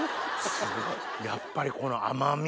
やっぱりこの甘み！